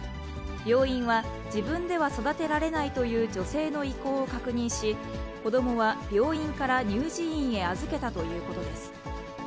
病院は自分では育てられないという女性の意向を確認し、子どもは病院から乳児院へ預けたということです。